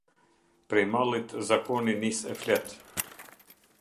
Prej mallit zakoni nis e flet.